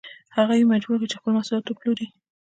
هغوی یې مجبور کړل چې خپل محصولات وپلوري.